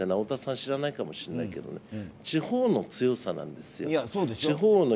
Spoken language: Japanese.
知らないかもしれないけど地方の強さなんですよ。